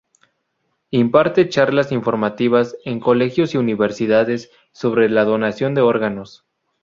Imparte charlas informativas en colegios y universidades sobre la donación de órganos.